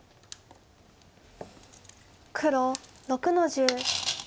黒６の十。